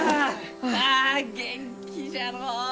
あ元気じゃのう。